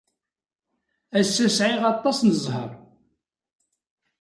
Ass-a sɛiɣ aṭas n ẓẓher.